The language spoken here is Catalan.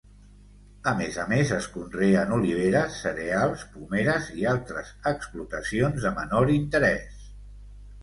A més a més, es conreen oliveres, cereals, pomeres i altres explotacions de menor interès.